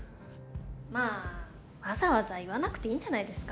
まあわざわざ言わなくていいんじゃないですか？